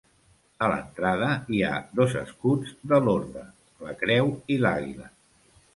A l'entrada hi ha dos escuts de l'orde, la creu i l'àguila.